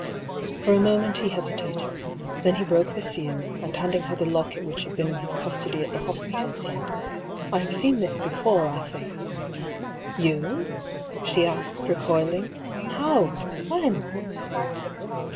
For a moment he hesitated ; then he broke the seal, and handing her the locket which had been in his cus tody at the hospital, said :" I have seen this before, I think." " You ?" she asked, recoiling. " How ? When